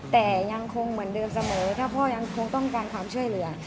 แต่ยังคงเหมือนเดิมเสมอถ้าพ่อยังคงต้องการความช่วยเหลือ